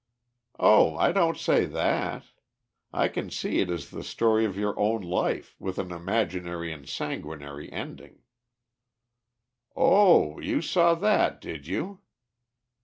"Oh, I don't say that. I can see it is the story of your own life, with an imaginary and sanguinary ending." "Oh, you saw that, did you?"